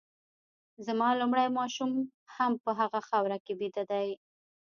زما لومړی ماشوم هم په هغه خاوره کي بیده دی